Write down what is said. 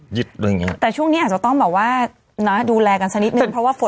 อย่างเงี้แต่ช่วงนี้อาจจะต้องแบบว่านะดูแลกันสักนิดนึงเพราะว่าฝน